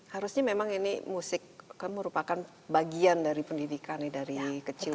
harusnya memang ini musik kan merupakan bagian dari pendidikan dari kecil